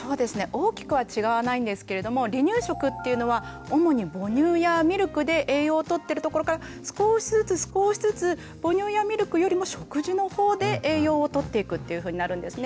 大きくは違わないんですけれども離乳食っていうのは主に母乳やミルクで栄養をとってるところから少しずつ少しずつ母乳やミルクよりも食事の方で栄養をとっていくっていうふうになるんですね。